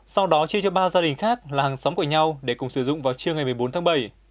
sau đó chia cho ba gia đình khác là hàng xóm của nhau để cùng sử dụng vào trưa ngày một mươi bốn tháng bảy